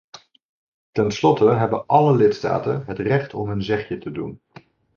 Tenslotte hebben alle lidstaten het recht om hun zegje te doen.